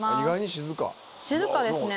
静かですね。